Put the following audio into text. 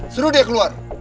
suruh dia keluar